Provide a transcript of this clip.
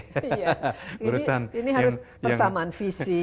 ini harus persamaan visi